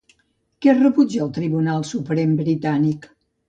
Què rebutja el Tribunal Suprem britànic?